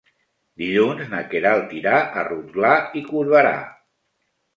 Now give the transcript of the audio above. Dilluns na Queralt irà a Rotglà i Corberà.